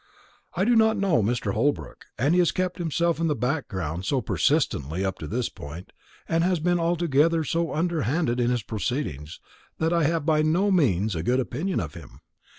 "I do not know Mr. Holbrook; and he has kept himself in the background so persistently up to this point, and has been altogether so underhanded in his proceedings, that I have by no means a good opinion of him.